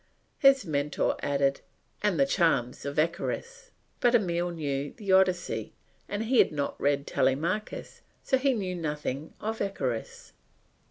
His Mentor added, "And the charms of Eucharis." But Emile knew the Odyssey and he had not read Telemachus, so he knew nothing of Eucharis.